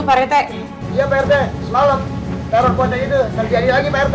iya pak rt selalu teropontong itu ngerjain lagi pak rt